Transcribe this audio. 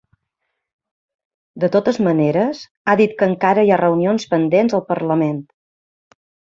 De totes maneres, ha dit que encara hi ha reunions pendents al parlament.